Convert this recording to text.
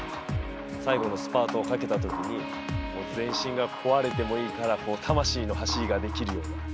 最後のスパートをかけたときに、全身が壊れてもいいから、魂の走りができるような。